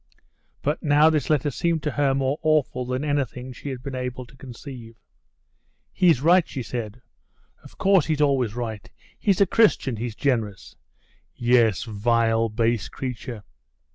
But now this letter seemed to her more awful than anything she had been able to conceive. "He's right!" she said; "of course, he's always right; he's a Christian, he's generous! Yes, vile, base creature!